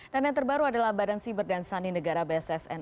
dan yang terbaru adalah badan siber dan sanin negara bssn